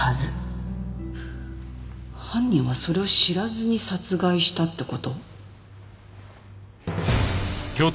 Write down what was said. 犯人はそれを知らずに殺害したって事？